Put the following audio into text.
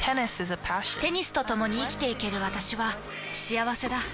テニスとともに生きていける私は幸せだ。